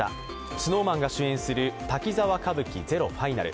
ＳｎｏｗＭａｎが主演する「滝沢歌舞伎ＺＥＲＯＦＩＮＡＬ」。